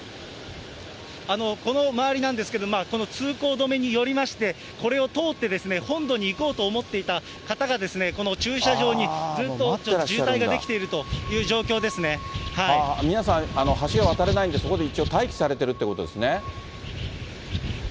この周りなんですけど、この通行止めによりまして、これを通って本土に行こうと思っていた方がこの駐車場にずっと渋皆さん、橋が渡れないんで、そこで一応、待機されているということですね。